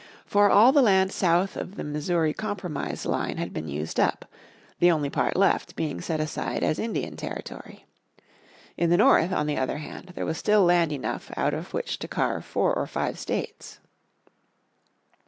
For all the land south of the Missouri Compromise line had been used up, the only part left being set aside as Indian Territory. In the north on the other hand there was still land enough out of which to carve four or five states.